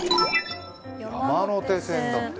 山手線だって。